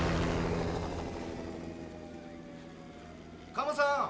カモさん！